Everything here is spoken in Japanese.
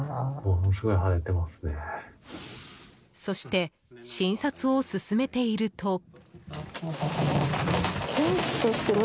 そして、診察を進めていると。